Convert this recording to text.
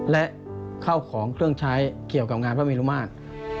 และเข้าของเครื่องใช้เกี่ยวกับงานพระเมรุมาตร